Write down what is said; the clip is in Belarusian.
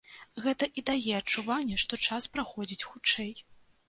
Гэта і дае адчуванне, што час праходзіць хутчэй.